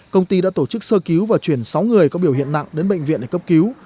công ty đã tổ chức sơ cứu và chuyển sáu người có biểu hiện nặng đến bệnh viện để cấp cứu